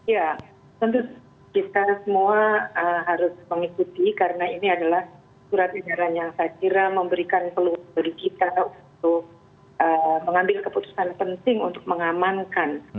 ya tentu kita semua harus mengikuti karena ini adalah surat edaran yang saya kira memberikan peluang bagi kita untuk mengambil keputusan penting untuk mengamankan